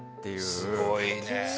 すごいね。